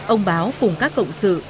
ông báo cùng các cộng sự